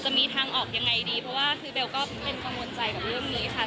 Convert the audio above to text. จะมีทางออกยังไงดีเพราะว่าคือเบลก็เป็นกังวลใจกับเรื่องนี้ค่ะ